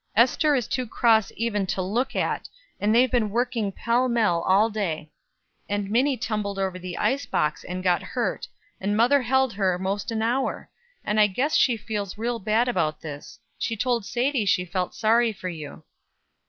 Ester is too cross even to look at; and they've been working pell mell all day; and Minnie tumbled over the ice box and got hurt, and mother held her most an hour; and I guess she feels real bad about this. She told Sadie she felt sorry for you."